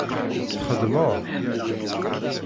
Txedmeḍ?